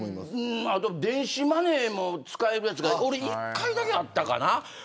あと電子マネーも使えるやつが１回だけ、あったかな。